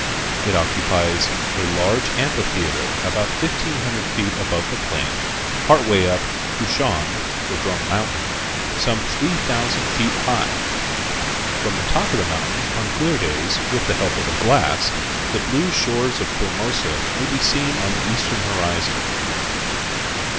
It occupies a large amphitheater about fifteen hundred feet above the plain, part way up Kushan, the "Drum Mountain," some three thousand feet high. From the top of the mountain on clear days with the help of a glass the blue shores of Formosa may be seen on the eastern horizon.